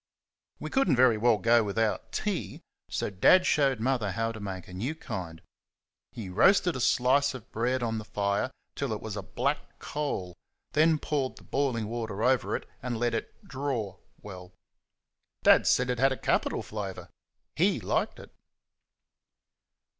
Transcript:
We could n't very well go without tea, so Dad showed Mother how to make a new kind. He roasted a slice of bread on the fire till it was like a black coal, then poured the boiling water over it and let it "draw" well. Dad said it had a capital flavour HE liked it.